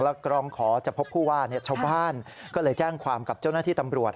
แล้วกรองขอจะพบผู้ว่าชาวบ้านก็เลยแจ้งความกับเจ้าหน้าที่ตำรวจ